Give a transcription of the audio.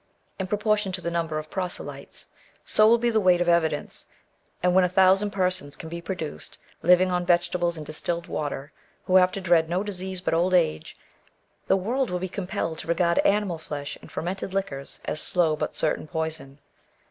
In proportion to the number of proselytes, so will be the weight of evidence; and when a thousand persons can be produced, living on vegetables and distilled water, who have to dread no disease but old age, the world will be compelled / to regard animal flesh and fermented liquors as slow but [ certai n po ison.